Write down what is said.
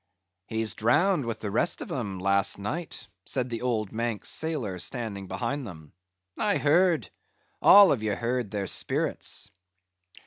"He's drowned with the rest on 'em, last night," said the old Manx sailor standing behind them; "I heard; all of ye heard their spirits."